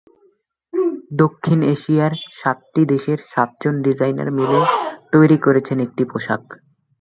দক্ষিণ এশিয়ার সাতটি দেশের সাতজন ডিজাইনার মিলে তৈরি করেছেন একটি পোশাক।